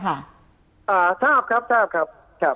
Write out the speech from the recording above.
ทราบครับทราบครับ